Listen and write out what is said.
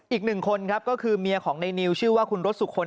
อีกหนึ่งคนครับก็คือเมียของในนิวชื่อว่าคุณรสสุคล